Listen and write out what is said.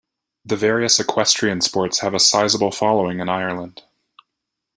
The various equestrian sports have a sizeable following in Ireland.